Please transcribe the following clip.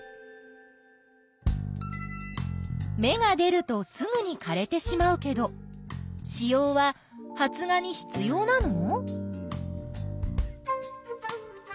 芽が出るとすぐにかれてしまうけど子葉は発芽に必要なの？